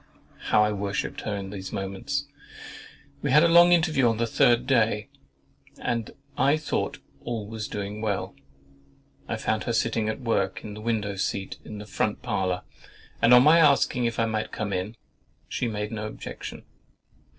How I worshipped her at these moments! We had a long interview the third day, and I thought all was doing well. I found her sitting at work in the window seat of the front parlour; and on my asking if I might come in, she made no objection.